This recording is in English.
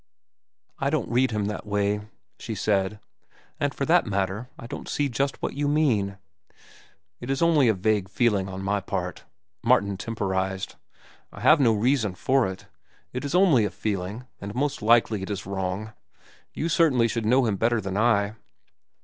"I don't read him that way," she said. "And for that matter, I don't see just what you mean." "It is only a vague feeling on my part," Martin temporized. "I have no reason for it. It is only a feeling, and most likely it is wrong. You certainly should know him better than I."